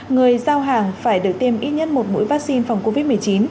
người giao hàng phải được tiêm ít nhất một mũi vaccine phòng covid một mươi chín